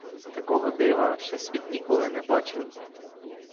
Такого дива ще світ ніколи не бачив.